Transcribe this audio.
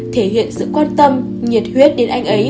thể hiện sự quan tâm nhiệt huyết đến anh ấy